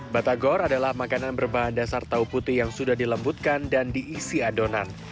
batagor adalah makanan berbahan dasar tahu putih yang sudah dilembutkan dan diisi adonan